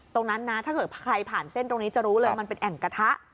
ตรงนั้นนะถ้าเกิดใครผ่านเส้นตรงนี้จะรู้เลยมันเป็นแอ่งกระทะ